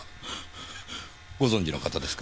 ご存じの方ですか？